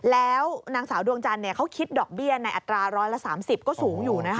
แล้วนางสาวดวงจันทร์เนี่ยเขาคิดดอกเบี้ยในอัตราร้อยละสามสิบก็สูงอยู่นะค่ะ